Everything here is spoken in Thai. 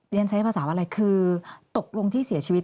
เรียนใช้ภาษาอะไรคือตกลงที่เสียชีวิต